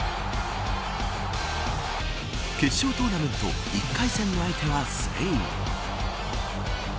決勝トーナメント１回戦の相手はスペイン。